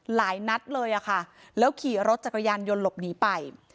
หลายนัดเลยอะค่ะแล้วขี่รถจักรยานยนต์หลบหนีไป